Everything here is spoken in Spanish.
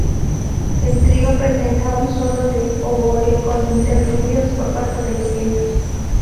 El trío presenta un solo de oboe con interludios por parte de los vientos.